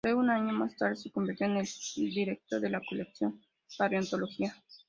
Luego, un año más tarde, se convirtió en el director de la Colección Paleontológica.